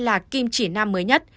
là kim chỉ nam mới nhất